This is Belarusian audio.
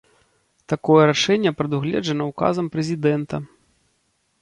Такое рашэнне прадугледжана ўказам прэзідэнта.